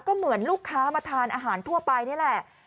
ก็เหมือนลูกค้ามาทานอาหารทั่วไปนี่แหละ